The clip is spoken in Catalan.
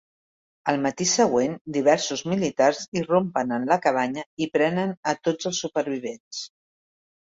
El matí següent, diversos militars irrompen en la cabanya i prenen a tots els supervivents.